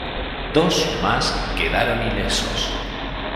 Dos más quedaron ilesos.